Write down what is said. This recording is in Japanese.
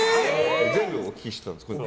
全部お聞きしたんです。